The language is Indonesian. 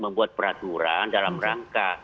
membuat peraturan dalam rangka